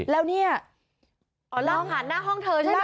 แล้วนี่ล่างผ่านหน้าห้องเธอใช่ไหม